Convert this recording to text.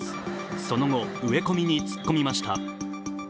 その後、植え込みに突っ込みました